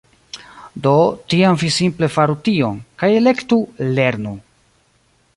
Do, tiam vi simple faru tion! kaj elektu "lernu"